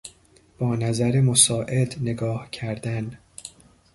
با نظر مساعد نگاه کردن